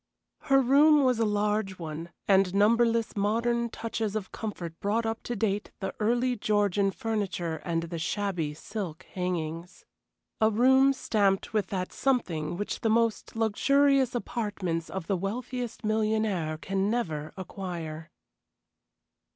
Her room was a large one, and numberless modern touches of comfort brought up to date the early Georgian furniture and the shabby silk hangings. A room stamped with that something which the most luxurious apartments of the wealthiest millionaire can never acquire.